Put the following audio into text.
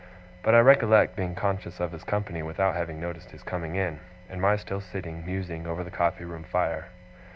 But I recollect being conscious of his company without having noticed his coming in and my still sitting, musing, over the coffee room fire.